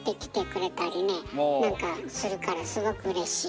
何かするからすごくうれしい。